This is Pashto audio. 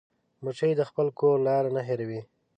مچمچۍ د خپل کور لار نه هېروي